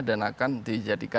dan akan dijadikan